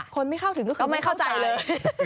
คนไม่เข้าถึงก็คือไม่เข้าใจเลย